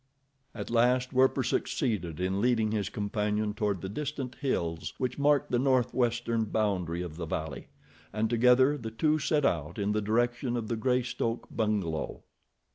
At last Werper succeeded in leading his companion toward the distant hills which mark the northwestern boundary of the valley, and together the two set out in the direction of the Greystoke bungalow.